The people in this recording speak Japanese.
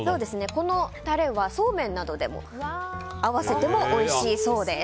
このタレはそうめんなどに合わせても、おいしいそうです。